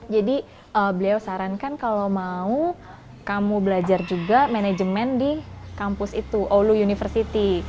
jadi beliau sarankan kalau mau kamu belajar juga manajemen di kampus itu oulu university